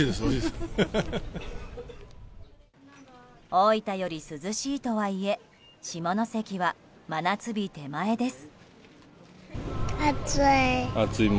大分より涼しいとはいえ下関は真夏日手前です。